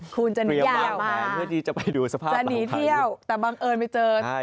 คุณจะหนีเยอะมากจะหนีเที่ยวแต่บังเอิญไม่เจอไต้ฝุ่น